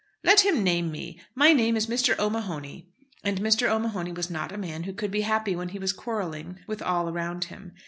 "Let him name me. My name is Mr. O'Mahony." And Mr. O'Mahony was not a man who could be happy when he was quarrelling with all around him.